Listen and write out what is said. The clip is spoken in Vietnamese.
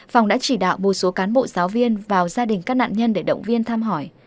phòng đã chỉ đạo một số cán bộ giáo viên vào gia đình các nạn nhân để động viên thăm hỏi